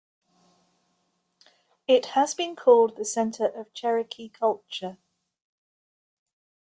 It has been called the center of Cherokee culture.